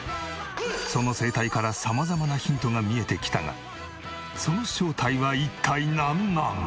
その生態から様々なヒントが見えてきたがその正体は一体なんなん？